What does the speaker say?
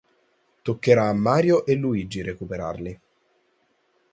Toccherà a Mario e Luigi recuperarli.